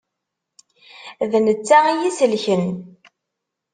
D netta i yi-isellken.